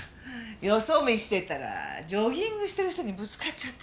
よそ見してたらジョギングしてる人にぶつかっちゃって。